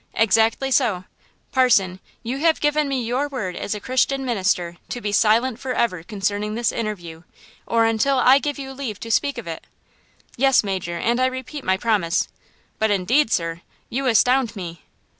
"Exactly so. Parson, you have given me your word as a Christian minister to be silent forever concerning this interview, or until I give you leave to speak of it." "Yes, major, and I repeat my promise; but, indeed, sir, you astound me!"